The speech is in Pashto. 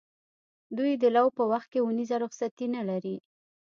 دوی د لو په وخت کې اونیزه رخصتي نه لري.